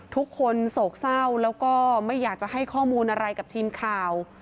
โศกเศร้าแล้วก็ไม่อยากจะให้ข้อมูลอะไรกับทีมข่าว